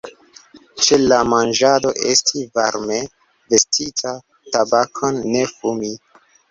Ĉe la manĝado esti varme vestita; tabakon ne fumi.